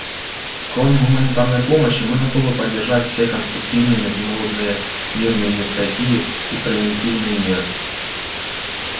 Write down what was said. Кроме гуманитарной помощи, мы готовы поддержать все конструктивные международные мирные инициативы и превентивные меры.